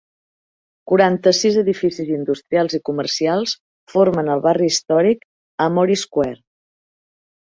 Quaranta-sis edificis industrials i comercials formen el barri històric Armory Square.